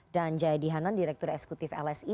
dan jayadi hanan direktur esekutif lsi